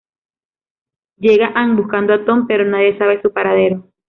Llega Anne buscando a Tom, pero nadie sabe su paradero.